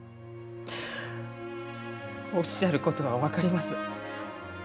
おっしゃることは分かります。